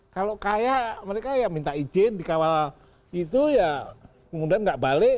kalau kaya mereka ya minta izin dikawal gitu ya kemudian nggak balik